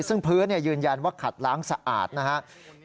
ซึ่งพื้นยืนยันว่าขัดล้างสะอาดนะครับ